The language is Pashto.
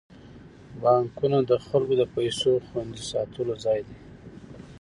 بانکونه د خلکو د پيسو خوندي ساتلو ځای دی.